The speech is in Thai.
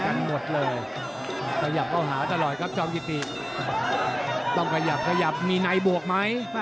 กันหมดเลยขยับเข้าหาตลอดครับจอมกิติต้องขยับขยับมีในบวกไหม